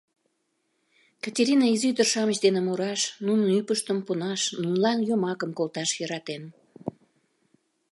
Катерина изи ӱдыр-шамыч дене мураш, нунын ӱпыштым пунаш, нунылан йомакым колташ йӧратен.